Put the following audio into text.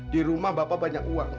di rumah bapak banyak uang